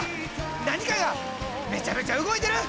何かがめっちゃめちゃ動いてる！